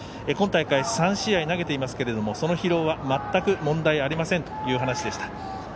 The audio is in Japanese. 今大会３試合、投げていますがその疲労は全く問題ありませんという話でした。